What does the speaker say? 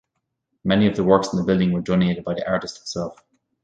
Many of the works in the building were donated by the artist himself.